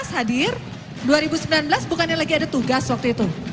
dua ribu sembilan hadir dua ribu sembilan belas bukannya lagi ada tugas waktu itu